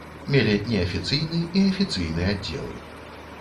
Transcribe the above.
Мелі неафіцыйны і афіцыйны аддзелы.